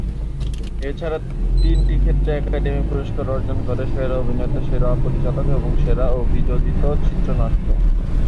এছাড়া তিনটি ক্ষেত্রে একাডেমি পুরস্কার অর্জন করে: সেরা অভিনেতা, সেরা পরিচালক এবং সেরা অভিযোজিত চিত্রনাট্য।